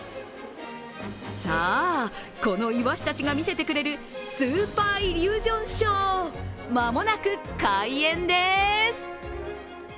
さあ、このイワシたちが見せてくれるスーパーイリュージョンショー、間もなく開演です。